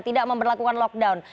tidak memperlakukan lockdown